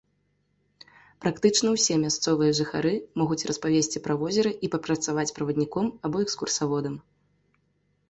Практычна ўсе мясцовыя жыхары могуць распавесці пра возера і папрацаваць правадніком або экскурсаводам.